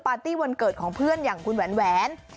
ตี้วันเกิดของเพื่อนอย่างคุณแหวน